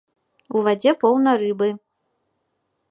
У вадзе поўна рыбы.